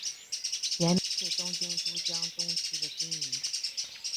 盐滨是东京都江东区的町名。